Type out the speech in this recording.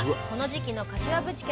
この時期の柏淵